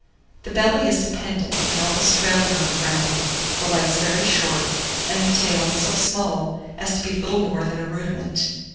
The belly is dependent, and almost trailing on the ground, the legs very short, and the tail so small as to be little more than a rudiment.